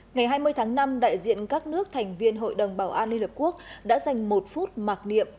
ngày hai mươi tháng năm đại diện các nước thành viên hội đồng bảo an liên hợp quốc đã dành một phút mặc niệm